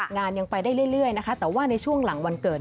งานยังไปได้เรื่อยนะคะแต่ว่าในช่วงหลังวันเกิด